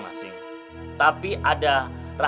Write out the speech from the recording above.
masih ada duitnya